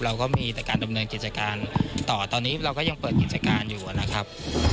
เราก็มีแต่การดำเนินกิจการต่อตอนนี้เราก็ยังเปิดกิจการอยู่นะครับ